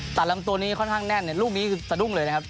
ลำตัวนี้ค่อนข้างแน่นลูกนี้คือสะดุ้งเลยนะครับ